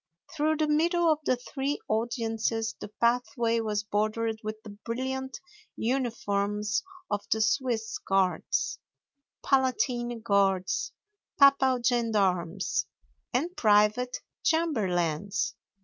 Through the middle of the three audiences the pathway was bordered with the brilliant uniforms of the Swiss Guards, Palatine Guards, papal gendarmes, and private chamberlains.